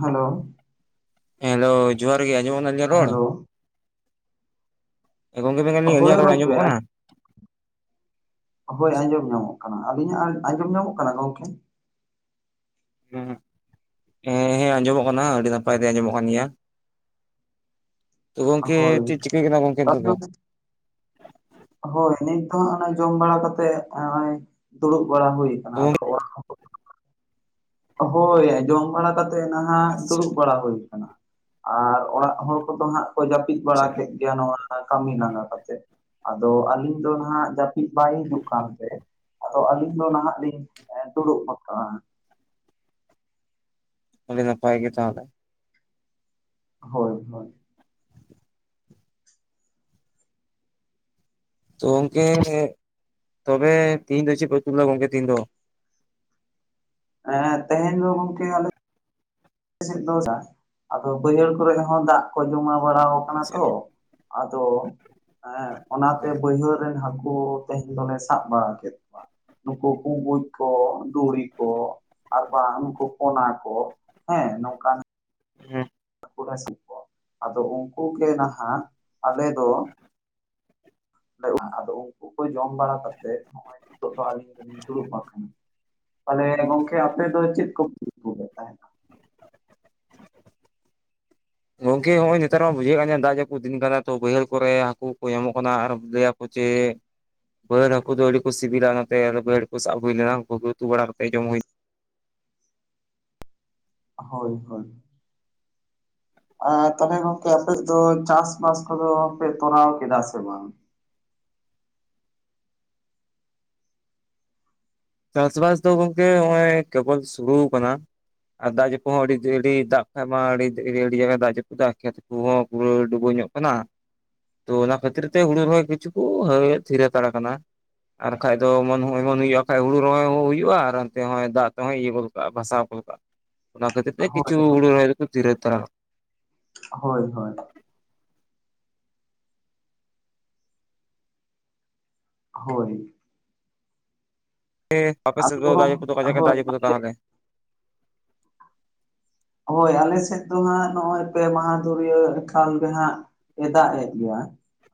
Hello hello ᱡᱚᱦᱟᱨ ᱜᱮ ᱟᱡᱚᱢ ᱠᱟᱱᱟ ᱛᱤᱧ ᱨᱚᱲ ᱦᱮᱞᱳ ᱮ ᱜᱚᱝᱠᱮ ᱢᱮᱱ ᱫᱟᱞᱤᱧ ᱦᱳᱭ ᱟᱞᱤᱧᱟᱹᱜ ᱨᱚᱲ ᱜᱚᱝᱠᱮ ᱟᱧᱟᱢᱚᱜ ᱠᱟᱱᱟ? ᱦᱚᱭ ᱟᱸᱡᱚᱢ ᱧᱟᱢᱚᱜ ᱠᱟᱱᱟ᱾ ᱟᱹᱞᱤᱧᱟᱜ ᱟᱸᱡᱚᱢ ᱧᱟᱢᱚᱜ ᱠᱟᱱᱟ ᱜᱚᱢᱠᱮ? ᱦᱮᱸ ᱦᱮᱸ ᱟᱸᱡᱚᱢᱚᱜ ᱠᱟᱱᱟ ᱟᱹᱰᱤ ᱱᱟᱯᱟᱭ ᱛᱮ ᱟᱸᱡᱚᱢᱚᱜ ᱠᱟᱱ ᱜᱮᱭᱟ᱾ ᱛᱚ ᱜᱚᱝᱠᱮ ᱦᱳᱭ ᱪᱮᱫ ᱪᱤᱠᱟᱹᱭ ᱠᱟᱱᱟ ᱜᱚᱝᱠᱮ ᱱᱤᱛᱚᱜ ᱫᱚ? ᱦᱚᱭ ᱱᱤᱛ ᱫᱚ ᱱᱟᱜ ᱡᱚᱢ ᱵᱟᱲᱟ ᱠᱟᱛᱮᱜ ᱱᱚᱼᱚᱭ ᱫᱩᱲᱩᱵ ᱵᱟᱲᱟ ᱦᱩᱭ ᱟᱠᱟᱱᱟ᱾ ᱦᱚᱭ ᱡᱚᱢ ᱵᱟᱲᱟ ᱠᱟᱛᱮᱫ ᱱᱟᱦᱟᱜ ᱟᱪᱪᱷᱟ ᱫᱩᱲᱩᱵ ᱵᱟᱲᱟ ᱦᱩᱭ ᱠᱟᱱᱟ᱾ ᱟᱨ ᱚᱲᱟᱜ ᱦᱚᱲ ᱠᱚᱫᱚ ᱦᱟᱸᱜ ᱠᱚ ᱡᱟᱹᱯᱤᱫ ᱵᱟᱲᱟ ᱟᱪᱪᱷᱟ ᱠᱮᱫ ᱜᱮᱭᱟ ᱱᱚᱣᱟ ᱠᱟᱹᱢᱤ ᱞᱟᱸᱜᱟ ᱠᱟᱛᱮᱜ᱾ ᱟᱫᱚ ᱟᱹᱞᱤᱧ ᱫᱚ ᱦᱟᱜ ᱡᱟᱹᱯᱤᱫ ᱵᱟᱭ ᱦᱤᱡᱩᱜ ᱠᱟᱱᱛᱮ, ᱟᱫᱚ ᱟᱹᱞᱤᱧ ᱫᱚ ᱱᱟᱦᱟᱜ ᱞᱤᱧ ᱫᱩᱲᱩᱵ ᱜᱚᱫ ᱠᱟᱱᱟ᱾ ᱟᱹᱰᱤ ᱱᱟᱯᱟᱭ ᱜᱮ ᱛᱟᱦᱚᱞᱮ᱾ ᱦᱚᱭ ᱦᱚᱭ ᱛᱚ ᱜᱚᱢᱠᱮ ᱛᱚᱵᱮ ᱛᱤᱦᱤᱧ ᱫᱚ ᱪᱮᱫ ᱯᱮ ᱩᱛᱩ ᱞᱮᱫᱼᱟ ᱜᱚᱝᱠᱮ ᱛᱮᱦᱮᱧ ᱫᱚ? ᱦᱮᱸ ᱛᱮᱦᱮᱧ ᱫᱚ ᱜᱚᱝᱠᱮ ᱟᱞᱮ ᱟᱫᱚ ᱵᱟᱹᱭᱦᱟᱹᱲ ᱠᱚᱨᱮ ᱦᱚᱸ ᱫᱟᱜ ᱠᱚ ᱡᱚᱢᱟ ᱵᱟᱲᱟᱣ ᱠᱟᱱᱟ ᱟᱪᱪᱷᱟ ᱛᱚ ᱟᱫᱚ ᱦᱮᱸ ᱚᱱᱟᱛᱮ ᱵᱟᱹᱭᱦᱟᱹᱲ ᱨᱮᱱ ᱦᱟᱹᱠᱩ ᱛᱮᱦᱮᱧ ᱫᱚᱞᱮ ᱥᱟᱵ ᱵᱟᱲᱟ ᱠᱮᱫ ᱠᱚᱣᱟ᱾ ᱱᱩᱠᱩ ᱵᱩᱸᱵᱩᱡ ᱠᱚ ᱫᱩᱲᱤ ᱠᱚ ᱟᱨ ᱵᱟᱝ ᱱᱩᱠᱩ ᱯᱚᱱᱟ ᱠᱚ᱾ ᱦᱮᱸ ᱱᱚᱝᱠᱟᱱ ᱦᱮᱸ ᱦᱚᱸ ᱠᱚ ᱟᱫᱚ ᱩᱱᱠᱩ ᱜᱮ ᱱᱟᱦᱟᱜ ᱟᱞᱮ ᱫᱚ ᱼᱟ ᱟᱫᱚ ᱩᱱᱠᱩ ᱠᱚ ᱡᱚᱢ ᱵᱟᱲᱟ ᱠᱟᱛᱮᱜ ᱱᱚᱜ ᱚᱭ ᱱᱤᱛᱚᱜ ᱫᱚ ᱟᱹᱞᱤᱧ ᱫᱚᱞᱤᱧ ᱫᱩᱲᱩᱵ ᱟᱠᱟᱱᱟ ᱟᱠᱟᱱᱟ᱾ ᱛᱟᱦᱚᱞᱮ ᱜᱚᱝᱠᱮ ᱟᱯᱮ ᱫᱚ ᱪᱮᱫ [unintelligible] ᱛᱟᱦᱮᱱᱟ᱾ ᱜᱚᱝᱠᱮ ᱦᱚᱸᱜ ᱚᱭ ᱱᱮᱛᱟᱨ ᱢᱟ ᱵᱩᱡᱷᱟᱹᱣ ᱠᱟᱱ ᱫᱟᱜ ᱡᱟᱯᱩᱫ ᱫᱤᱱ ᱠᱟᱱᱟ ᱛᱚ, ᱵᱟᱹᱭᱦᱟᱹᱲ ᱠᱚᱨᱮ ᱦᱟᱹᱠᱩ ᱠᱚ ᱧᱟᱢᱚᱜ ᱠᱟᱱᱟ ᱟᱨ ᱞᱟᱹ ᱪᱮ ᱵᱟᱹᱨᱟᱹᱲ ᱦᱟᱹᱠᱩ ᱫᱚ ᱟᱹᱰᱤ ᱠᱚ ᱥᱤᱵᱤᱞᱟ, ᱱᱚᱛᱮ ᱟᱨ ᱵᱟᱹᱨᱟᱹᱲ ᱠᱚ ᱥᱟᱵ ᱦᱩᱭ ᱞᱮᱱᱟ ᱩᱱᱠᱩ ᱩᱛᱩ ᱵᱟᱲᱟ ᱠᱟᱛᱮᱜ ᱡᱚᱢ ᱦᱩᱭᱱᱟ ᱦᱳᱭ ᱦᱳᱭ ᱛᱟᱦᱚᱞᱮ ᱜᱚᱝᱠᱮ ᱟᱯᱮ ᱫᱚ ᱪᱟᱥ ᱵᱟᱥ ᱠᱚᱫᱚ ᱯᱮ ᱛᱚᱨᱟᱣ ᱠᱮᱫᱟ ᱥᱮ ᱵᱟᱝ? ᱪᱟᱥᱵᱟᱥ ᱫᱚ ᱜᱚᱢᱠᱮ ᱱᱚᱜᱼᱚᱭ ᱠᱮᱵᱚᱞ ᱥᱩᱨᱩ ᱟᱠᱟᱱᱟ᱾ ᱟᱨ ᱫᱟᱜ ᱡᱟᱹᱯᱩ ᱦᱚᱸ ᱟᱹᱰᱤ ᱫᱟᱜ ᱠᱷᱟᱡ ᱢᱟ ᱟᱹᱰᱤ ᱫᱟᱜ ᱡᱟᱹᱯᱩ ᱫᱟᱜ ᱠᱷᱮᱛ ᱠᱚᱸᱦᱚ ᱯᱩᱨᱟᱹ ᱰᱩᱵᱟᱹᱣ ᱧᱚᱜ ᱠᱟᱱᱟ ᱛᱚ ᱚᱱᱟ ᱠᱷᱟᱹᱛᱤᱨ ᱛᱮ ᱦᱩᱲᱩ ᱨᱚᱦᱚᱭ ᱠᱤᱪᱷᱩ ᱠᱚ ᱛᱷᱤᱨ ᱦᱟᱛᱟᱲᱟ ᱟᱠᱟᱱᱟ᱾ ᱟᱨ ᱠᱷᱟᱡ ᱫᱚ ᱮᱢᱚᱱ ᱮᱢᱚᱱ ᱦᱩᱭᱩᱜᱼᱟ ᱵᱟᱠᱷᱟᱡ ᱦᱩᱲᱩ ᱨᱚᱦᱚᱭ ᱦᱚᱸ ᱦᱩᱭᱩᱜᱼᱟ ᱟᱨ ᱚᱱᱛᱮ ᱦᱚᱸᱭ ᱫᱟᱜ ᱛᱮᱦᱚᱸᱭ ᱤᱭᱟᱹ ᱜᱚᱫ ᱠᱟᱜᱼᱟ ᱵᱷᱟᱥᱟᱣ ᱜᱚᱫ ᱠᱟᱜᱼᱟ᱾ ᱚᱱᱟ ᱠᱷᱟᱹᱛᱤᱨ ᱛᱮ ᱦᱳᱭ ᱠᱤᱪᱩ ᱦᱩᱲᱩ ᱨᱚᱦᱚᱭ ᱫᱚᱠᱚ ᱫᱷᱤᱨ ᱦᱟᱛᱟᱲ ᱦᱳᱭ ᱦᱳᱭ ᱦᱳᱭ ᱚᱯᱮ ᱟᱫᱚ ᱦᱳᱭ [unintelligible] ᱛᱟᱦᱚᱞᱮ ᱦᱳᱭ ᱟᱞᱮ ᱥᱮᱫ ᱫᱚ ᱦᱟᱸᱜ ᱱᱚᱜᱼᱚᱭ ᱯᱮ ᱢᱟᱦᱟ ᱫᱩᱨᱭᱟᱹ ᱮᱠᱟᱞ ᱜᱮ ᱦᱟᱸᱜ ᱮ ᱫᱟᱜ ᱮᱫ ᱜᱮᱭᱟ,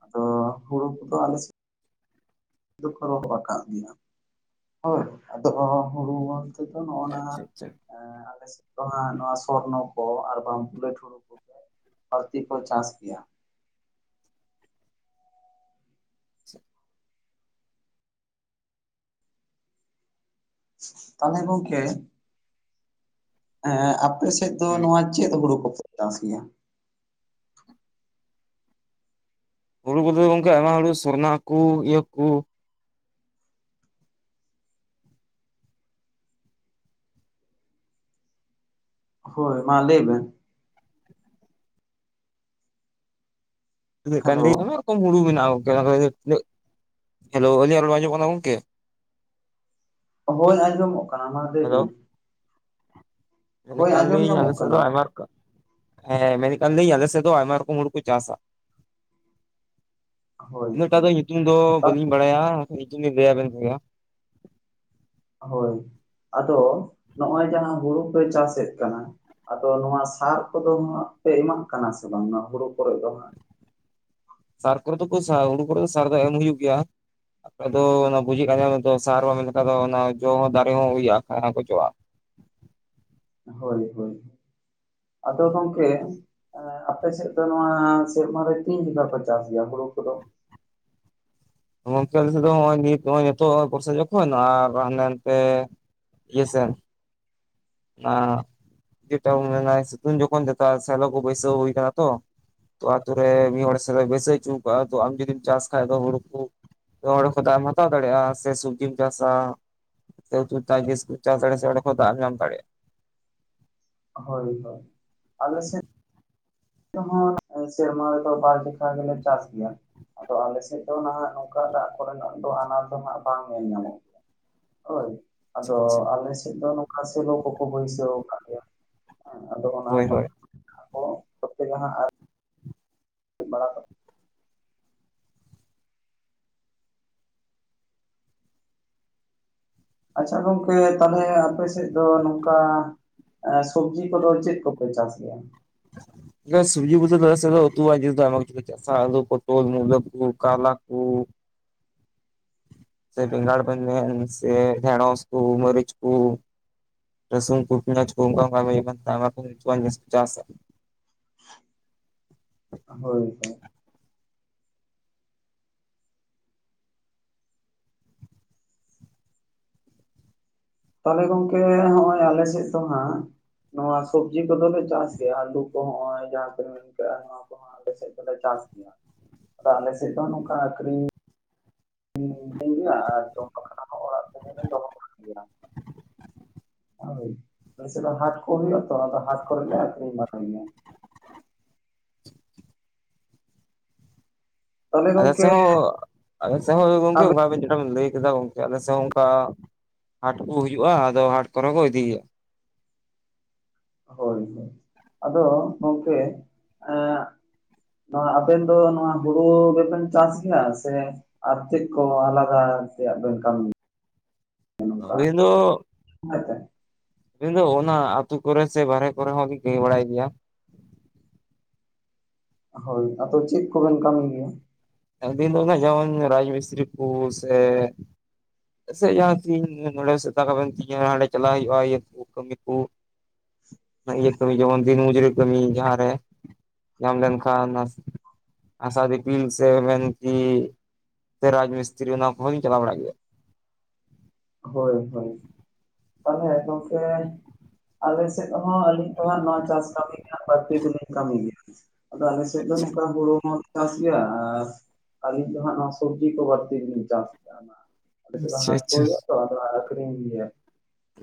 ᱟᱫᱚ ᱦᱩᱲᱩ ᱠᱚᱫᱚ ᱟᱞᱮ ᱥᱮᱫ ᱫᱚᱠᱚ ᱨᱚᱦᱚᱲ ᱟᱠᱟᱫ ᱜᱮᱭᱟ ᱦᱳᱭ ᱟᱫᱚ ᱦᱩᱲᱩ ᱟ ᱫᱚ ᱱᱚᱜ ᱱᱟ ᱟᱪᱪᱷᱟ ᱟᱪᱪᱷᱟ ᱟᱞᱮ ᱥᱮᱫ ᱫᱚ ᱦᱟᱜ ᱱᱚᱣᱟ ᱥᱚᱨᱱᱚ ᱠᱚ ᱟᱨ ᱵᱟᱝ ᱵᱩᱞᱟᱹᱴ ᱦᱩᱲᱩ ᱠᱚ ᱵᱟᱨᱛᱤ ᱠᱚ ᱪᱟᱥ ᱜᱮᱭᱟ᱾ ᱟᱪᱪᱷᱟ ᱛᱟᱦᱚᱞᱮ ᱜᱚᱝᱠᱮ ᱸ ᱟᱯᱮ ᱥᱮᱫ ᱫᱚ ᱦᱩᱸ ᱱᱚᱣᱟ ᱪᱮᱫ ᱦᱩᱲᱩ ᱠᱚᱯᱮ ᱪᱟᱥ ᱜᱮᱭᱟ? ᱦᱩᱲᱩ ᱠᱚᱫᱚ ᱜᱚᱝᱠᱮ ᱟᱭᱢᱟ ᱦᱩᱲᱩ ᱥᱚᱨᱱᱟ ᱠᱚ ᱤᱭᱟᱹ ᱠᱚ ᱦᱳᱭ ᱢᱟ ᱞᱟᱹᱭ ᱵᱮᱱ ᱛᱤᱱᱟᱹᱜ ᱦᱮᱞᱳ ᱠᱟᱱᱫᱤ ᱟᱭᱢᱟ ᱨᱚᱠᱚᱢ ᱦᱩᱲᱩ ᱢᱮᱱᱟᱜᱼᱟ ᱜᱚᱝᱠᱮ, [unintelligible] ᱦᱮᱞᱳ ᱟᱹᱞᱤᱧ ᱨᱚᱲ ᱟᱧᱡᱚᱡᱢᱚᱜ ᱠᱟᱱᱟ ᱜᱚᱝᱠᱮ? ᱦᱳᱭ ᱟᱸᱡᱚᱢᱚᱜ ᱠᱟᱱᱟ ᱢᱟ ᱞᱟᱹᱭ ᱦᱮᱞᱳ ᱵᱮᱱ ᱢᱮᱱᱮᱫ ᱦᱳᱭ ᱟᱸᱡᱚᱢ ᱠᱟᱱᱫᱟᱹᱧ ᱧᱟᱢᱚᱜ ᱟᱞᱮ ᱥᱮᱫ ᱠᱟᱱᱟ ᱫᱚ ᱟᱭᱢᱟ ᱨᱚᱠᱚᱢ ᱦᱮᱸ ᱢᱮᱱᱮᱫ ᱠᱟᱱ ᱞᱤᱧ ᱟᱞᱮ ᱥᱮᱫ ᱫᱚ ᱟᱭᱢᱟ ᱨᱚᱠᱚᱢ ᱦᱩᱲᱩ ᱠᱚ ᱪᱟᱥᱟ᱾ ᱦᱳᱭ ᱤᱱᱟᱹᱜᱴᱟᱜ ᱦᱳᱭ ᱫᱚ ᱧᱩᱛᱩᱢ ᱫᱚ ᱵᱟᱹᱞᱤᱧ ᱵᱟᱲᱟᱭᱟ ᱧᱩᱛᱩᱢ ᱤᱧ ᱞᱟᱹᱭᱟ ᱵᱮᱱ ᱠᱮᱭᱟ ᱦᱳᱭ ᱟᱫᱚ ᱱᱚᱜᱼᱚᱭ ᱡᱟᱦᱟᱸ ᱦᱩᱲᱩ ᱯᱮ ᱪᱟᱥᱮᱫ ᱠᱟᱱᱟ ᱟᱫᱚ ᱱᱚᱣᱟ ᱥᱟᱨ ᱠᱚᱫᱚ ᱦᱟᱸᱜ ᱯᱮ ᱮᱢᱟᱜ ᱠᱟᱱᱟ ᱥᱮ ᱵᱟᱝ ᱦᱩᱲᱩ ᱠᱚᱨᱮ ᱫᱚ ᱦᱟᱸᱜ ᱥᱟᱨ ᱠᱚᱨᱮ ᱫᱚ ᱠᱚ ᱥᱟ ᱦᱩᱲᱩ ᱠᱚᱨᱮ ᱫᱚ ᱥᱟᱨ ᱫᱚ ᱮᱢ ᱦᱩᱭᱩᱜ ᱜᱮᱭᱟ ᱟᱯᱮ ᱫᱚ ᱚᱱᱟ ᱵᱩᱡᱮᱫ ᱠᱟᱱ ᱥᱟᱨ ᱢᱮᱱᱠᱷᱟᱱ ᱫᱚ ᱚᱱᱟ ᱡᱚ ᱦᱚᱸ ᱫᱟᱨᱮ ᱦᱚᱸ ᱦᱩᱭᱩᱜᱼᱟ ᱥᱟᱱᱟᱢ ᱠᱚ ᱡᱚᱜᱼᱟ ᱦᱳᱭ ᱦᱳᱭ ᱟᱫᱚ ᱜᱚᱢᱠᱮ ᱟᱯᱮ ᱥᱮᱫ ᱫᱚ ᱱᱚᱣᱟ ᱥᱮᱨᱢᱟ ᱨᱮ ᱛᱤᱱ ᱡᱚᱠᱷᱟᱡ ᱯᱮ ᱪᱟᱥ ᱜᱮᱭᱟ ᱦᱩᱲᱩ ᱠᱚᱫᱚ ᱜᱚᱢᱠᱮ ᱟᱞᱮ ᱥᱮᱫ ᱫᱚ ᱱᱤᱛ ᱱᱚᱜᱼᱚᱭ ᱱᱤᱛᱚᱜ ᱵᱚᱨᱥᱟ ᱡᱚᱠᱷᱚᱱ ᱟᱨ ᱦᱟᱱᱛᱮ ᱮᱥ ᱥᱮᱱ ᱪᱮᱫ ᱴᱟᱜ ᱵᱚᱱ ᱢᱮᱱᱟ ᱥᱤᱛᱩᱝ ᱡᱚᱠᱷᱚᱱ ᱥᱮᱞᱚ ᱠᱚ ᱵᱟᱹᱭᱥᱟᱹ ᱦᱩᱭ ᱠᱟᱱᱟ ᱛᱚ ᱛᱚ ᱟᱛᱳ ᱨᱮ ᱢᱤᱫ ᱦᱚᱲ ᱥᱮᱞᱚ ᱵᱟᱹᱭᱥᱟᱹᱣ ᱦᱚᱪᱚ ᱠᱟᱜᱼᱟ ᱛᱚ ᱟᱢ ᱡᱚᱫᱤᱢ ᱪᱟᱥ ᱠᱷᱟᱡ ᱫᱚ ᱦᱩᱲᱩ ᱠᱚ ᱚᱸᱰᱮ ᱠᱷᱚᱡ ᱫᱟᱜ ᱮᱢ ᱦᱟᱛᱟᱣ ᱫᱟᱲᱮᱭᱟᱜᱼᱟ ᱥᱮ ᱥᱚᱵᱽᱡᱤᱢ ᱪᱟᱥᱟ ᱡᱮ ᱦᱩᱛᱩ [unintelligible] ᱫᱟᱜ ᱮᱢ ᱧᱟᱢ ᱫᱟᱲᱮᱭᱟᱜ-ᱟ ᱦᱳᱭ ᱦᱳᱭ ᱟᱞᱮ ᱥᱮᱫ [inaudible] [unintelligible] ᱦᱚᱸ ᱥᱮᱨᱢᱟ ᱨᱮᱫᱚ ᱵᱟᱨ ᱡᱮᱠᱷᱟ ᱜᱮᱞᱮ ᱪᱟᱥ ᱜᱮᱭᱟ ᱟᱫᱚ ᱟᱞᱮ ᱥᱮᱫ ᱫᱚ ᱱᱟᱦᱟᱜ ᱱᱚᱝᱠᱟ ᱫᱟᱜ ᱠᱚᱨᱮᱱᱟᱜ ᱫᱚ ᱟᱱᱟᱴ ᱫᱚ ᱵᱟᱝ ᱧᱮᱞ ᱧᱟᱢᱚᱜᱼᱟ ᱦᱳᱭ ᱟᱪᱪᱷᱟ ᱟᱫᱚ ᱟᱪᱪᱷᱟ ᱟᱞᱮ ᱥᱮᱫ ᱫᱚ ᱱᱚᱝᱠᱟ ᱥᱮᱞᱚ ᱠᱚᱠᱚ ᱵᱟᱹᱭᱥᱟᱹᱣ ᱟᱠᱟᱜ ᱜᱮᱭᱟ ᱦᱮ ᱟᱫᱚ ᱚᱱᱟ ᱦᱳᱭ ᱠᱚ [inaudible] ᱵᱟᱲᱟ [unintelligible] ᱟᱪᱪᱷᱟ ᱜᱚᱝᱠᱮ ᱛᱟᱦᱞᱮ ᱟᱯᱮ ᱥᱮᱫ ᱫᱚ ᱱᱚᱝᱠᱟ ᱥᱚᱵᱽᱡᱤ ᱠᱚᱫᱚ ᱪᱮᱫ ᱠᱚᱯᱮ ᱪᱟᱥ ᱜᱮᱭᱟ ᱡᱮ ᱥᱩᱵᱡᱤ ᱵᱚᱫᱚᱞ [unintelligible] ᱥᱟᱞᱩ ᱯᱚᱴᱚᱞ ᱢᱩᱞᱟ. ᱠᱚ ᱠᱟᱞᱞᱟ ᱠᱚ ᱥᱮ ᱵᱮᱸᱜᱟᱲ ᱵᱮᱱ ᱢᱮᱱ ᱥᱮ ᱰᱮᱲᱚᱸᱥ ᱠᱚ ᱢᱟᱹᱨᱤᱪ ᱠᱚ ᱨᱟᱥᱩᱱ ᱠᱚ ᱯᱮᱸᱭᱟᱡ ᱠᱚ [unintelligible] ᱦᱳᱭ ᱦᱳᱭ ᱛᱟᱦᱚᱞᱮ ᱜᱚᱝᱠᱮ ᱱᱚᱜᱼᱚᱭ ᱟᱞᱮ ᱥᱮᱫ ᱫᱚ ᱦᱟᱸᱜ ᱱᱚᱣᱟ ᱥᱚᱵᱽᱡᱤ ᱠᱚᱫᱚᱞᱮ ᱪᱟᱥ ᱜᱮᱭᱟ ᱟᱞᱩ ᱠᱚ ᱱᱚᱜᱚᱭ ᱡᱟᱦᱟᱸ ᱠᱚᱞᱮ ᱢᱮᱱ ᱠᱟᱜᱼᱟ ᱱᱚᱣᱟ ᱟᱞᱮ ᱥᱮᱫ ᱫᱚᱞᱮ ᱪᱟᱥ ᱜᱮᱭᱟ ᱟᱫᱚ ᱟᱞᱮ ᱥᱮᱫ ᱫᱚ ᱱᱚᱝᱠᱟ ᱟᱹᱠᱷᱨᱤᱧ ᱦ ᱜᱮᱭᱟ [inaudible] ᱡᱚᱢᱠᱷᱟᱱ ᱚᱲᱟᱜ ᱥᱮᱫ ᱫᱚᱦᱚ ᱜᱮᱭᱟ ᱦᱳᱭ ᱟᱞᱮᱥᱮᱫ ᱫᱚ ᱦᱟᱴ ᱠᱚ ᱦᱩᱭᱩᱜ-ᱟ ᱛᱚ ᱚᱱᱟᱛᱮ ᱦᱟᱴ ᱠᱚᱨᱮ ᱞᱮ ᱟᱠᱷᱨᱤᱧ ᱵᱟᱲᱟᱭᱟ ᱛᱟᱦᱚᱞᱮ ᱟᱞᱮ ᱥᱮᱜ ᱜᱚᱝᱠᱮ ᱦᱚᱸ ᱟᱞᱮ ᱥᱮᱜ ᱦᱚᱸ ᱜᱚᱝᱠᱮ ᱟᱵᱮᱱ ᱚᱱᱠᱟᱵ ᱡᱮᱴᱟ ᱵᱮᱱ ᱞᱟᱹᱭ ᱠᱮᱫᱟ ᱜᱚᱝᱠᱮ ᱟᱞᱮ ᱥᱮ ᱦᱚᱸ ᱚᱱᱠᱟ ᱦᱟᱴ ᱠᱚ ᱦᱩᱭᱩᱜᱼᱟ ᱟᱫᱚ ᱦᱟᱴ ᱠᱚᱨᱮ ᱠᱚ ᱤᱫᱤ ᱜᱮᱭᱟ ᱦᱳᱭ ᱦᱳᱭ ᱟᱫᱚ ᱜᱚᱝᱠᱮ ᱮᱸᱜ ᱱᱚᱣᱟ ᱟᱵᱮᱱ ᱫᱚ ᱱᱚᱣᱟ ᱦᱩᱲᱩ ᱜᱮᱵᱮᱱ ᱪᱟᱥ ᱜᱮᱭᱟ ᱥᱮ? ᱟᱨ ᱪᱮᱫ ᱠᱚ ᱟᱞᱟᱫᱟ ᱥᱮᱭᱟᱜ ᱵᱮᱱ ᱠᱟᱹᱢᱤ? ᱟᱹᱲᱤ ᱫᱚᱼᱼ ᱦᱩᱭ ᱥᱮ᱾ ᱤᱧ ᱫᱚ ᱚᱱᱟ ᱟᱹᱛᱩ ᱠᱚᱨᱮ ᱥᱮ ᱵᱟᱦᱨᱮ ᱠᱚᱨᱮ ᱦᱚᱸᱞᱤᱧ ᱞᱟᱹᱭ ᱵᱟᱲᱟᱭ ᱜᱮᱭᱟ᱾ ᱦᱳᱭ ᱟᱫᱚ ᱪᱮᱫ ᱠᱚᱵᱮᱱ ᱠᱟᱹᱢᱤ ᱜᱮᱭᱟ? ᱟᱹᱞᱤᱧ ᱫᱚ ᱱᱟᱜ ᱡᱮᱢᱚᱱ ᱨᱟᱡᱽ ᱢᱤᱥᱛᱨᱤ ᱠᱩ ᱥᱮᱼᱼ ᱥᱮ ᱡᱟᱦᱟᱸ ᱛᱤᱧ ᱱᱚᱰᱮ ᱥᱮᱛᱟ ᱠᱟᱵᱮᱱ ᱛᱤᱧᱟᱹ ᱦᱟᱸᱰᱮ ᱪᱟᱞᱟᱜ ᱦᱩᱭᱩᱜ-ᱟ ᱤᱭᱟᱹ ᱠᱟᱹᱢᱤ ᱠᱚ ᱤᱭᱟᱹ ᱠᱟᱹᱢᱤ ᱡᱮᱢᱚᱱ ᱫᱤᱱ ᱢᱩᱡᱩᱨᱤ ᱠᱟᱹᱢᱤ ᱡᱟᱦᱟᱸᱨᱮ᱾ ᱡᱟᱢ ᱞᱮᱱᱠᱷᱟᱱ [unintelligible] ᱟᱥᱟ ᱫᱤᱯᱤᱞᱥ ᱥᱮ ᱢᱮᱱᱠᱤ ᱥᱮ ᱨᱟᱡᱽ ᱢᱤᱥᱛᱨᱤ ᱚᱱᱟ ᱠᱚᱦᱚᱸ ᱤᱧ ᱪᱟᱞᱟᱣ ᱵᱟᱲᱟᱜ ᱜᱮᱭᱟ᱾ ᱦᱳᱭ ᱦᱳᱭ ᱛᱟᱦᱚᱞᱮ ᱜᱚᱝᱠᱮᱼᱼ ᱟᱞᱮ ᱥᱮᱫ ᱦᱚᱸ ᱟᱹᱞᱤᱧ ᱫᱚ ᱦᱟᱸᱜ ᱱᱚᱣᱟ ᱪᱟᱹᱥ ᱠᱟᱹᱢᱤ ᱨᱮᱱᱟᱜ ᱵᱟᱹᱲᱛᱤ ᱫᱚᱞᱤᱧ ᱠᱟᱹᱢᱤ ᱜᱮᱭᱟ᱾ ᱟᱫᱚ ᱟᱞᱮ ᱥᱮᱫ ᱫᱚ ᱟᱪᱪᱷᱟ ᱱᱚᱝᱠᱟ ᱦᱩᱲᱩ ᱦᱚᱸ। ᱪᱟᱹᱥ ᱜᱮᱭᱟ ᱟᱨ ᱟᱹᱞᱤᱧ ᱫᱚ ᱦᱟᱸᱜ ᱱᱚᱣᱟ ᱥᱚᱵᱽᱡᱤ ᱠᱚ ᱵᱟᱹᱲᱛᱤ ᱞᱤᱧ ᱪᱟᱹᱥ ᱜᱮᱭᱟ ᱚᱱᱟ᱾ ᱟᱞᱮ ᱥᱮᱫ ᱫᱚ ᱟᱪᱪᱷᱟ ᱦᱟᱴ ᱠᱚ ᱟᱪᱪᱷᱟ ᱦᱩᱭᱩᱜ-ᱟ ᱛᱚ ᱟᱫᱚ ᱟᱠᱷᱤᱨᱤᱧ ᱜᱮᱭᱟ᱾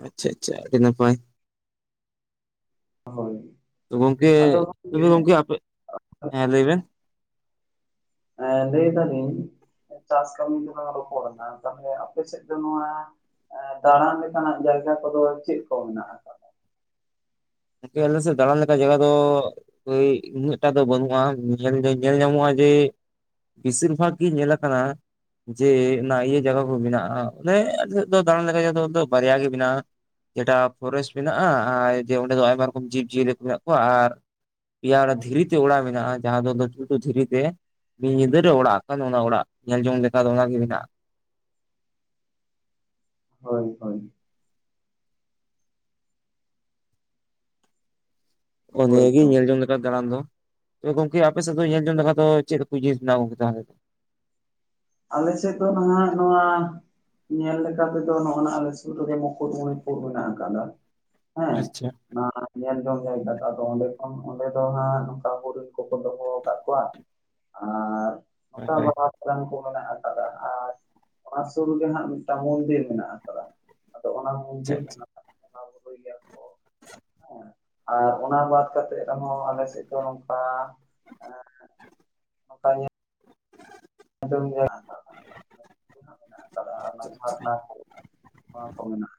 ᱟᱪᱪᱷᱟ ᱟᱪᱪᱷᱟ ᱾ ᱟᱹᱰᱤ ᱱᱟᱯᱟᱭ ᱾ ᱦᱳᱭ ᱾ ᱜᱚᱝᱠᱮ ᱛᱚᱵᱮ ᱜᱚᱝᱠᱮ ᱟᱯᱮ ᱦᱮᱸ ᱞᱟᱹᱭ ᱵᱮᱱ ᱮ ᱞᱟᱹᱭ ᱫᱟᱞᱤᱧ ᱪᱟᱥ ᱠᱟᱹᱢᱤ ᱫᱚ ᱵᱟᱝ ᱨᱚᱯᱚᱲ ᱱᱟ ᱛᱟᱦᱞᱮ ᱟᱯᱮ ᱥᱮᱫ ᱫᱚ ᱱᱚᱣᱟ ᱫᱟᱨᱟᱱ ᱞᱮᱠᱟᱱᱟᱜ ᱡᱟᱭᱜᱟ ᱠᱚᱫᱚ ᱪᱮᱫ ᱠᱚ ᱢᱮᱱᱟᱜ ᱟᱠᱟᱫᱟ? ᱱᱚᱛᱮ ᱟᱞᱮ ᱥᱮ ᱫᱟᱬᱟᱱ ᱞᱮᱠᱟ ᱡᱟᱭᱜᱟ ᱫᱚ ᱦᱳᱭ ᱩᱱᱟᱹᱜᱴᱟᱜ ᱫᱚ ᱵᱟᱹᱱᱩᱜᱼᱟ ᱧᱮᱞ ᱧᱮᱞ ᱧᱟᱢᱚᱜᱼᱟ ᱡᱮ ᱵᱮᱥᱤᱨ ᱵᱷᱟᱜᱽ ᱜᱮ ᱧᱮᱞ ᱟᱠᱟᱱᱟ ᱡᱮ ᱚᱱᱟ ᱤᱭᱟᱹ ᱡᱟᱭᱜᱟ ᱠᱚ ᱢᱮᱱᱟᱜᱼᱟ ᱚᱱᱮ ᱟᱞᱮ ᱥᱮᱫ ᱫᱚ ᱫᱟᱬᱟᱱ ᱞᱮᱠᱟ ᱫᱚ ᱫᱚ ᱵᱟᱨᱭᱟ ᱜᱮ ᱢᱮᱱᱟᱜᱼᱟ ᱾ ᱡᱮᱴᱟ ᱯᱷᱚᱨᱮᱥᱴ ᱢᱮᱱᱟᱜ-ᱟ ᱟᱨ ᱡᱮ ᱚᱸᱰᱮ ᱫᱚ ᱟᱭᱢᱟ ᱨᱚᱠᱚᱢ ᱡᱤᱵᱽ-ᱡᱤᱭᱟᱹᱞᱤ ᱠᱚ ᱢᱮᱱᱟᱜ ᱠᱚᱣᱟ ᱟᱨ ᱯᱮᱭᱟ ᱫᱷᱤᱨᱤ ᱛᱮ ᱚᱲᱟᱜ ᱢᱮᱱᱟᱜᱼᱟ ᱡᱟᱦᱟᱸ ᱫᱚ ᱞᱟᱹᱴᱩ ᱞᱟᱹᱴᱩ ᱫᱷᱤᱨᱤ ᱛᱮ ᱢᱤᱫ ᱧᱤᱫᱟᱹ ᱨᱮ ᱚᱲᱟᱜ ᱠᱟᱱ ᱚᱱᱟ ᱚᱲᱟᱜ ᱧᱮᱞ ᱡᱚᱝ ᱞᱮᱠᱟ ᱫᱚ ᱚᱱᱟ ᱜᱮ ᱢᱮᱱᱟᱜᱼᱟ ᱾ ᱦᱳᱭ ᱦᱳᱭ ᱾ ᱦᱳᱭ ᱱᱤᱭᱮ ᱜᱮ ᱛᱚ ᱧᱮᱞ ᱡᱚᱝ ᱞᱮᱠᱟᱱ ᱫᱟᱬᱟᱱ ᱫᱚ ᱾ ᱛᱚᱵᱮ ᱜᱚᱝᱠᱮ ᱟᱯᱮ ᱥᱮᱫ ᱫᱚ ᱧᱮᱞ ᱡᱚᱝ ᱞᱮᱠᱟᱱ ᱫᱚ ᱪᱮᱫ? ᱠᱩᱪᱤᱥ ᱱᱟ [unintelligible] ᱟᱞᱮ ᱥᱮᱫ ᱫᱚ ᱱᱟᱦᱜ ᱱᱚᱣᱟ ᱧᱮᱞ ᱞᱮᱠᱟ ᱛᱮᱫᱚ ᱱᱚᱜᱼᱟᱭ ᱟᱞᱮ ᱥᱩᱨ ᱨᱮᱜᱮ ᱢᱩᱠᱩᱴᱢᱩᱱᱤᱯᱩᱨ ᱢᱮᱱᱟᱜ ᱟᱠᱟᱫᱟ ᱾ ᱦᱮᱸ ᱟᱪᱪᱷᱟ ᱾ ᱚᱱᱟ ᱧᱮᱞ ᱡᱚᱝ ᱡᱟᱭᱜᱟ ᱫᱚ ᱟᱫᱚ ᱚᱸᱰᱮ ᱠᱷᱚᱱ ᱚᱸᱰᱮ ᱫᱚ ᱦᱟᱸᱜ ᱱᱚᱝᱠᱟ ᱦᱳᱲ ᱠᱚᱠᱚ ᱫᱚᱦᱚ ᱟᱠᱟᱫ ᱠᱚᱣᱟ ᱾ ᱟᱨ ᱦᱳᱭ ᱱᱚᱝᱠᱟ ᱦᱳᱭ ᱵᱟᱵᱟᱱ ᱠᱚ ᱢᱮᱱᱟᱜ ᱟᱠᱟᱫᱟ ᱟᱨ ᱚᱱᱟ ᱥᱩᱨ ᱜᱮ ᱦᱟᱸᱜ ᱢᱤᱫᱴᱟᱝ ᱢᱚᱱᱫᱤᱨ ᱢᱮᱱᱟᱜ ᱟᱠᱟᱫᱟ ᱾ ᱟᱫᱚ ᱚᱱᱟ ᱟᱪᱪᱷᱟ ᱢᱚᱱᱫᱤᱨ ᱟᱪᱪᱷᱟ ᱢᱮᱱᱟᱜ ᱤᱭᱟ ᱠᱚ [unintelligible] ᱟᱨ ᱚᱱᱟ ᱵᱟᱫ ᱠᱟᱛᱮ ᱨᱮᱦᱚᱸ ᱟᱞᱮ ᱥᱮᱫ ᱫᱚ ᱱᱚᱝᱠᱟ ᱮᱸ [inaudible] ᱟᱸᱡᱚᱢ ᱠᱷᱟ ᱠᱟᱫᱟ [unintelligible] ᱢᱮᱱᱟᱜ ᱟᱠᱟᱫᱟ ᱟᱨ ᱚᱱᱟ ᱡᱷᱟᱨᱱᱟ ᱠᱚ ᱱᱚᱣᱟ ᱠᱚ ᱢᱮᱱᱟᱜᱼᱟ ᱾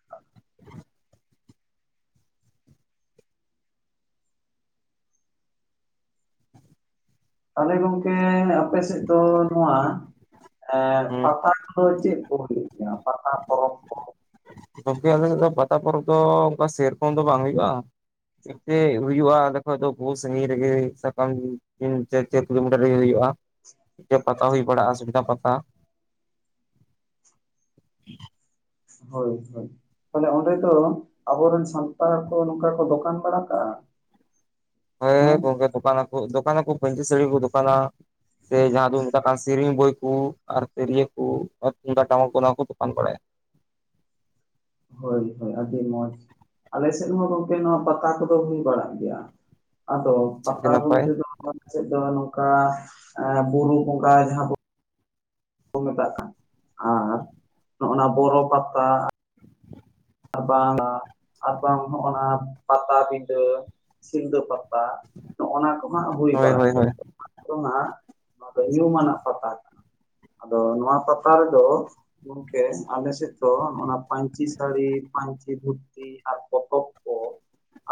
ᱛᱟᱦᱚᱞᱮ ᱜᱚᱝᱠᱮ ᱟᱯᱮ ᱥᱮᱫ ᱫᱚ ᱱᱚᱣᱟ ᱮ ᱦᱩᱸ ᱯᱟᱛᱟ ᱠᱚᱫᱚ ᱪᱮᱫ ᱠᱚ ᱦᱩᱭᱩ ᱜᱮᱭᱟ? ᱯᱟᱛᱟ ᱯᱚᱨᱚᱵᱽ ᱠᱚ ᱜᱚᱝᱠᱮ ᱟᱞᱮ ᱫᱚ ᱯᱟᱛᱟ ᱯᱚᱨᱚᱵᱽ ᱫᱚ ᱚᱱᱠᱟ ᱥᱮᱨᱚᱠᱚᱢ ᱫᱚ ᱵᱟᱝ ᱦᱩᱭᱩᱜᱼᱟ ᱾ ᱦᱩᱭᱩᱜᱼᱟ ᱮᱠᱷᱟᱱ ᱫᱚ ᱟᱹᱵᱤ ᱥᱟᱺᱜᱤᱧ ᱨᱮᱜᱮ ᱥᱟᱠᱟᱢ ᱛᱤᱱ ᱪᱟᱨ ᱠᱤᱞᱳᱢᱤᱴᱟᱨ ᱨᱮ ᱦᱩᱭᱩᱜᱼᱟ ᱢᱤᱫᱴᱟᱱ ᱯᱟᱛᱟ ᱦᱩᱭ ᱵᱟᱲᱟᱜᱼᱟ ᱥᱩᱵᱤᱫᱷᱟ ᱯᱟᱛᱟ ᱾ ᱦᱳᱭ ᱦᱳᱭ ᱾ ᱛᱟᱦᱚᱞᱮ ᱚᱸᱰᱮ ᱫᱚ ᱟᱵᱚᱨᱮᱱ ᱥᱟᱱᱛᱟᱲ ᱠᱚ ᱱᱚᱝᱠᱟ ᱠᱚ ᱫᱚᱠᱟᱱ ᱵᱟᱲᱟ ᱠᱟᱜᱼᱟ ᱦᱮᱸ ᱾ ᱫᱚᱠᱟᱱ ᱟᱠᱚ ᱫᱚᱠᱟᱱ ᱯᱟᱹᱧᱪᱤ ᱥᱟᱹᱲᱤ ᱠᱚ ᱫᱚᱠᱟᱱᱟ ᱥᱮ ᱡᱟᱦᱟᱸ ᱫᱚ ᱢᱮᱛᱟᱜ ᱠᱟᱱ ᱥᱮᱨᱮᱧ ᱵᱳᱭ ᱠᱚ ᱟᱨ ᱛᱤᱨᱭᱟᱹᱠᱩ ᱛᱩᱢᱫᱟᱜ ᱴᱟᱢᱟᱠ ᱠᱚ ᱚᱱᱟ ᱠᱚ ᱫᱚᱯᱟᱱ ᱵᱟᱲᱟᱭᱟ ᱾ ᱦᱳᱭ ᱦᱳᱭ ᱾ ᱟᱹᱰᱤ ᱢᱚᱸᱡᱽ ᱟᱞᱮ ᱥᱮᱫ ᱦᱚᱸ ᱜᱚᱝᱠᱮ ᱱᱚᱣᱟ ᱯᱟᱛᱟ ᱠᱚᱫᱚ ᱦᱩᱭ ᱵᱟᱲᱟᱜ ᱜᱮᱭᱟ ᱾ ᱟᱫᱚ ᱟᱪᱪᱷᱟ ᱟᱹᱰᱤ ᱯᱟᱛᱟ ᱱᱟᱯᱟᱭ ᱵᱚᱞᱛᱮ ᱫᱚ ᱪᱮᱫ ᱫᱚ ᱱᱚᱝᱠᱟ ᱵᱩᱨᱩ ᱵᱚᱸᱜᱟ ᱡᱟᱦᱟᱸ ᱠᱚ ᱢᱮᱛᱟᱜ ᱠᱟᱱᱟ ᱟᱨ ᱱᱚᱜᱼᱱᱟ ᱵᱚᱨᱚ ᱯᱟᱛᱟ ᱾ [inaudible] ᱟᱨ ᱵᱟᱝ ᱟᱨᱵᱟᱝ ᱦᱚᱜᱼᱱᱟ ᱯᱟᱛᱟᱵᱤᱸᱫᱟᱹ ᱥᱤᱞᱫᱟᱹ ᱯᱟᱛᱟ ᱱᱚᱜᱱᱟ ᱠᱚᱦᱟᱸᱜ ᱦᱩᱭ ᱦᱳᱭ ᱵᱟᱲᱟᱜ ᱦᱳᱭ ᱜᱮᱭᱟ ᱦᱳᱭ ᱾ ᱟᱫᱚᱱᱟ ᱱᱚᱣᱟ ᱫᱚ ᱦᱤᱭᱩᱢᱟᱱᱟ ᱯᱟᱛᱟ ᱠᱟᱱᱟ ᱾ ᱟᱫᱚ ᱱᱚᱣᱟ ᱯᱟᱛᱟ ᱨᱮᱫᱚ ᱜᱚᱝᱠᱮ ᱟᱞᱮ ᱥᱮᱫ ᱫᱚ ᱚᱱᱟ ᱯᱟᱹᱧᱪᱤ ᱥᱟᱹᱲᱤ ᱯᱟᱧᱪᱤ ᱫᱷᱩᱛᱤ ᱟᱨ ᱯᱚᱛᱚᱵ ᱠᱚ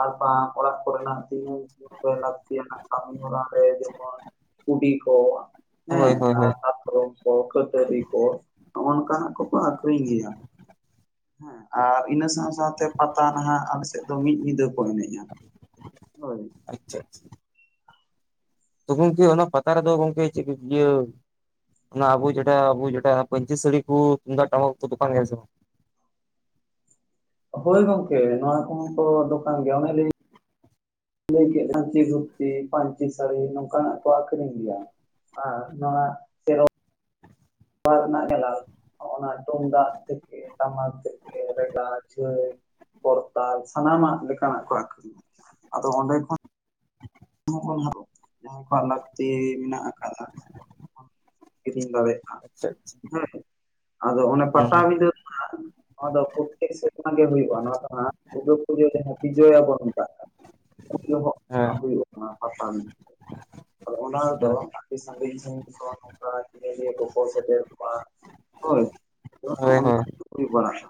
ᱟᱨ ᱵᱟᱝ ᱚᱲᱟᱜ ᱠᱚᱨᱮᱱᱟᱜ ᱫᱤᱱᱟᱹᱢ ᱞᱟᱹᱠᱛᱤᱭᱟᱱᱟᱜ ᱠᱟᱹᱢᱤ ᱦᱚᱨᱟ ᱨᱮ ᱡᱮᱢᱚᱱ ᱠᱩᱰᱤ ᱠᱚ ᱦᱳᱭ ᱦᱮᱸ ᱦᱳᱭ ᱦᱳᱭ ᱯᱨᱚᱢ ᱠᱚ ᱠᱷᱴᱟᱹᱨᱤ ᱠᱚ ᱱᱚᱝᱠᱟᱱᱟᱜ ᱠᱚᱠᱚ ᱟᱠᱷᱨᱤᱧ ᱜᱮᱭᱟ ᱦᱮᱸ ᱾ ᱟᱨ ᱤᱱᱟᱹ ᱥᱟᱶ ᱥᱟᱶᱛᱮ ᱯᱟᱛᱟ ᱱᱟᱦᱜ ᱟᱞᱮ ᱥᱮᱫ ᱫᱚ ᱢᱤᱫ ᱧᱤᱫᱟᱹ ᱠᱚ ᱮᱱᱮᱡᱼᱟ ᱾ ᱟᱪᱪᱷᱟ ᱟᱪᱪᱷᱟ ᱾ ᱛᱚ ᱜᱚᱝᱠᱮ ᱚᱱᱟ ᱯᱟᱛᱟ ᱨᱮᱫᱚ ᱜᱚᱝᱠᱮ ᱪᱤ ᱤᱭᱟᱹ ᱾ ᱚᱱᱟ ᱟᱵᱩ ᱡᱮᱴᱟ ᱟᱵᱚ ᱯᱟᱧᱪᱤ ᱥᱟᱹᱲᱤ ᱠᱚ ᱛᱩᱢᱫᱟᱜ ᱴᱟᱢᱟᱠ ᱠᱚ ᱫᱚᱠᱟᱱ ᱜᱮ ᱥᱮ ᱵᱟᱝ ᱾ ᱦᱳᱭ ᱜᱚᱝᱠᱮ ᱱᱚᱣᱟ ᱠᱚ ᱛᱚ ᱫᱚᱠᱟᱱ ᱜᱮᱭᱟ ᱚᱱᱮ ᱞᱟᱹᱭ ᱾ ᱞᱟᱹᱭ ᱠᱮᱫ ᱯᱟᱹᱧᱪᱤ ᱫᱷᱩᱛᱤ ᱯᱟᱹᱧᱪᱤ ᱥᱟᱹᱲᱤ ᱱᱚᱝᱠᱟᱱᱟᱜ ᱠᱚ ᱟᱠᱷᱨᱤᱧ ᱜᱮᱭᱟ ᱾ ᱟᱨ ᱡᱟᱦᱟ ᱾ ᱚᱱᱟ ᱨᱮᱱᱟᱜ ᱧᱮᱞᱟᱢᱟ ᱚᱱᱟ ᱛᱩᱢᱫᱟᱜ ᱛᱷᱮᱠᱮ ᱴᱟᱢᱟᱠ ᱛᱷᱮᱠᱮ ᱨᱮ ᱪᱷᱟᱹᱭ ᱾ ᱠᱚᱨᱛᱟᱞ ᱥᱟᱱᱟᱢᱟᱜ ᱞᱮᱠᱟᱱᱟᱜ ᱠᱚ ᱟᱹᱠᱷᱨᱤᱧᱟ ᱟᱫᱚ ᱚᱸᱰᱮ ᱠᱷᱚᱱ ᱾ ᱦᱚᱜ ᱱᱟᱜ ᱠᱚ ᱡᱟᱦᱟᱸᱭ ᱠᱚᱣᱟᱜ ᱞᱟᱹᱠᱛᱤ ᱢᱮᱱᱟᱜ ᱟᱠᱟᱫᱟ ᱠᱤᱨᱤᱧ ᱫᱟᱲᱮᱭᱟᱜ ᱟᱪᱪᱷᱟ ᱟᱪᱪᱷᱟ ᱾ ᱦᱮᱸ ᱟᱫᱚ ᱚᱱᱮ ᱦᱩᱸ ᱦᱩᱸ ᱯᱟᱴᱟᱵᱤᱫᱷᱟᱹ ᱫᱚ ᱦᱟᱸᱜ ᱾ ᱱᱚᱣᱟ ᱫᱚ ᱯᱨᱚᱛᱮᱠ ᱥᱮᱨᱢᱟ ᱜᱮ ᱦᱩᱭᱩᱜᱼᱟ ᱱᱚᱣᱟ ᱫᱚ ᱦᱟᱸᱜ ᱾ ᱫᱩᱨᱜᱟ ᱯᱩᱡᱟ ᱨᱮ ᱵᱤᱡᱚᱭᱟ ᱠᱚ ᱢᱮᱛᱟ ᱠᱟᱱᱟ ᱩᱱᱡᱚᱦᱚᱜ ᱦᱮᱸ ᱦᱩᱭᱩᱜᱼᱟ ᱾ ᱚᱱᱟ ᱯᱟᱛᱟ ᱟᱫᱚ ᱚᱱᱟ ᱫᱚ ᱦᱮᱸ ᱟᱹᱰᱤ ᱥᱟᱜᱤᱧ ᱥᱟᱜᱤᱧ ᱠᱷᱚᱱ ᱱᱚᱝᱠᱟ ᱠᱷᱮᱞᱳᱭᱟᱹ ᱠᱚᱠᱚ ᱥᱮᱴᱮᱨ ᱠᱚᱜᱼᱟ ᱾ ᱦᱳᱭ ᱦᱳᱭ ᱚᱱᱠᱟ ᱦᱳᱭ ᱜᱮ ᱦᱩᱭ ᱵᱟᱲᱟᱜᱼᱟ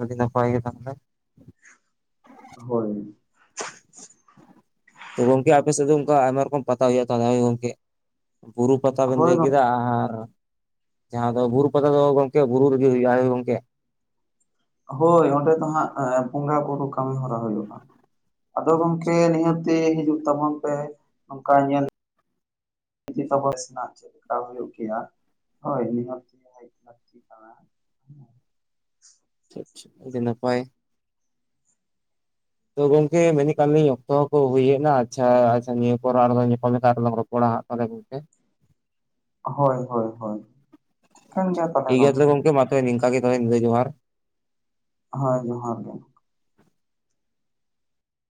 ᱟᱹᱰᱤ ᱱᱟᱯᱟᱭ ᱜᱮ ᱢᱮᱱᱟᱜ ᱵᱚᱱᱟ ᱾ ᱦᱳᱭ ᱾ ᱛᱚ ᱟᱯᱮ ᱥᱮᱫ ᱚᱱᱠᱟ ᱟᱭᱢᱟ ᱨᱚᱠᱚᱢ ᱯᱟᱛᱟ ᱦᱩᱭᱩᱜᱭᱟ ᱜᱚᱢᱠᱮ ᱾ ᱵᱩᱨᱩ ᱯᱟᱛᱟᱵᱤᱱ ᱦᱳᱭ ᱞᱟᱹᱭ ᱠᱮᱫᱟ ᱜᱚᱝᱠᱮ ᱟᱨ ᱾ ᱡᱟᱦᱟᱸ ᱫᱚ ᱵᱩᱨᱩ ᱯᱟᱛᱟᱟ ᱫᱚ ᱜᱚᱝᱠᱮ ᱵᱩᱨᱩ ᱨᱮᱜᱤ ᱦᱩᱭᱩᱜᱼᱟ ᱜᱚᱝᱠᱮ ᱾ ᱦᱳᱭ ᱚᱸᱰᱮ ᱫᱚ ᱦᱟᱸᱜ ᱵᱚᱸᱜᱟ ᱵᱩᱨᱩ ᱠᱟᱹᱢᱤ ᱦᱚᱨᱟ ᱦᱩᱭᱩᱜᱼᱟ ᱾ ᱟᱫᱚ ᱜᱚᱝᱠᱮ ᱱᱤᱦᱟᱹᱛᱤ ᱦᱤᱡᱩᱜ ᱛᱟᱵᱚᱱ ᱯᱮ ᱱᱚᱝᱠᱟ ᱧᱮᱞ ᱾ [unintelligible] ᱪᱮᱫ ᱞᱮᱠᱟ ᱦᱩᱭᱩᱜ ᱜᱮᱭᱟ ᱦᱳᱭ ᱱᱤᱦᱟᱛ [inaudible] ᱪᱮᱜ ᱪᱮᱜ ᱟᱹᱰᱤ ᱱᱟᱯᱟᱭ ᱛᱚ ᱜᱚᱝᱠᱮ ᱢᱮᱱ ᱠᱟᱱᱞᱤᱧ ᱚᱠᱛᱚ ᱦᱚᱸᱠᱚ ᱦᱩᱭ ᱱᱟ ᱟᱪᱪᱷᱟ, ᱟᱪᱪᱷᱟ ᱱᱤᱭᱟᱹ ᱯᱚᱨ ᱟᱨ ᱦᱚᱸ ᱞᱟᱝ ᱧᱟᱯᱟᱢ ᱨᱚᱯᱚ ᱠᱚᱲᱟ ᱟᱜ ᱛᱟᱞᱮ ᱜᱚᱢᱠᱮ ᱾ ᱦᱳᱭ ᱦᱳᱭ ᱦᱳᱭ ᱴᱷᱤᱠᱟᱹᱱ ᱜᱮᱭᱟ ᱛᱟᱦᱚᱞᱮ ᱜᱚᱢᱠᱮ ᱾ ᱦᱳᱭ ᱱᱤᱝᱠᱟ ᱜᱮ ᱛᱚᱵᱮ ᱧᱤᱫᱟᱹ ᱡᱚᱦᱟᱨ ᱾ ᱦᱳᱭ ᱡᱚᱦᱟᱨ ᱜᱮ ᱾